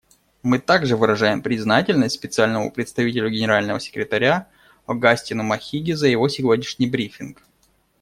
Мы также выражаем признательность Специальному представителю Генерального секретаря Огастину Махиге за его сегодняшний брифинг.